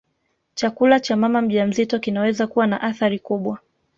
chakula cha mama mjamzito kinaweza kuwa na athari kubwa